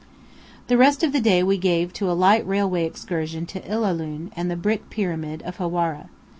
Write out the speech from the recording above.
The rest of the day we gave to a light railway excursion to Illahun and the brick Pyramid of Hawara.